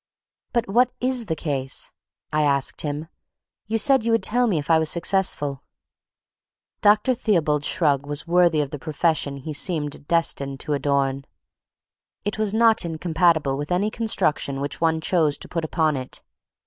"But what is the case?" I asked him. "You said you would tell me if I was successful." Dr. Theobald's shrug was worthy of the profession he seemed destined to adorn; it was not incompatible with any construction which one chose to put upon it.